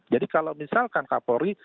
jadi kalau misalkan kapolri